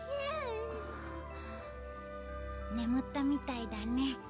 眠ったみたいだね。